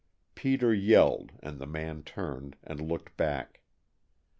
Peter yelled and the man turned, and looked back.